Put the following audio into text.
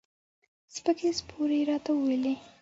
سپکې سپورې یې راته وویلې.